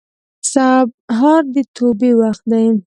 سهار د توبې وخت دی.